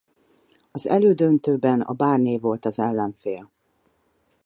Az elődöntőben a Barnet volt az ellenfél.